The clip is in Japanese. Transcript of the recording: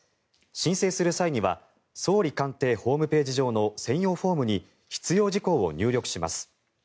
申請する際には総理官邸ホームページ上の専用フォームに必要事項を入力します。